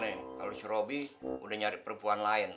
gimana kalo si robi udah nyari perempuan lain